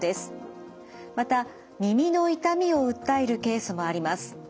また耳の痛みを訴えるケースもあります。